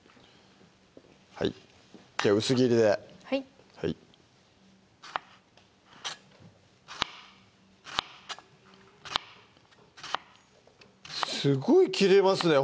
じゃあ薄切りではいすごい切れますね